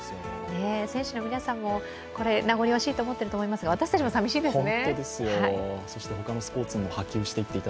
選手の皆さんも名残惜しいと思っていると思いますが私たちも寂しいですね。